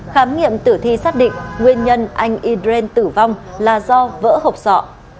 khám nghiệm tử thi xác định nguyên nhân anh idren tử vong là do vỡ hộp sọ